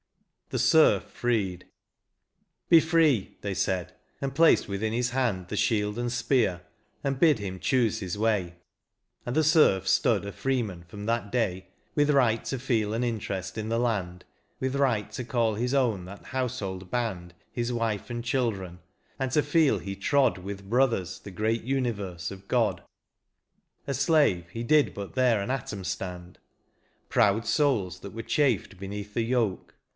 57 XXVIII. THE SERF FREED. " Be free," they said, and placed within his hand The shield and speax, and hid him choose his way. And the serf stood a freeman from that day, With right to feel an interest in the land. With right to call his own that household hand His wife and children ; and to feel he trod With brothers the great universe of God : A slave, he did hut there an atom stand. Proud souls there were that chafed beneath the yoke.